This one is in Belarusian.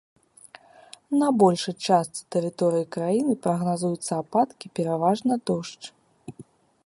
На большай частцы тэрыторыі краіны прагназуюцца ападкі, пераважна дождж.